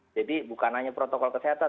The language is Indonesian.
jadi bukan hanya protokol kesehatan